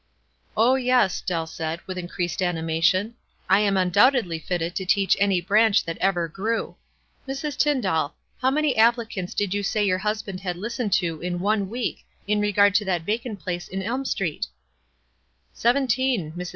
"Oh, yes," Dell said, with increased anima tion, ,P I am undoubtedly fitted to teach any branch that ever grew. Mrs. Tyndall, how many applicants did } 7 ou say your husband had listened to in one week in regard to that vacant WISE AND OTHERWISE. 213 "Seventeen," Airs.